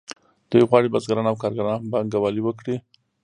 دوی غواړي بزګران او کارګران هم پانګوالي وکړي